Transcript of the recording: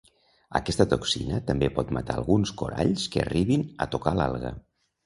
Aquesta toxina també pot matar alguns coralls que arribin a tocar l'alga.